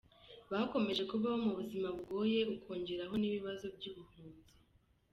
Bakomeje kubaho mu buzima bugoye ukongeraho n’ibibazo by’ubuhunzi.